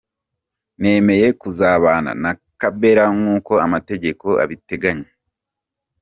Nemeye kuzabana na Kabera nk'uko amategeko abiteganya.